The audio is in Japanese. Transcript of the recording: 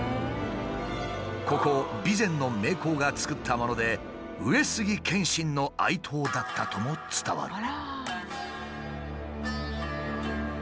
ここ備前の名工が作ったもので上杉謙信の愛刀だったとも伝わる。